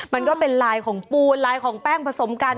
มันก็เป็นลายของปูนลายของแป้งผสมกัน